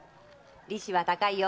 利子は高いよ。